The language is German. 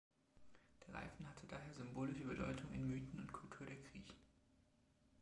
Der Reifen hatte daher symbolische Bedeutung in Mythen und Kultur der Griechen.